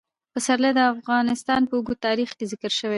پسرلی د افغانستان په اوږده تاریخ کې ذکر شوی دی.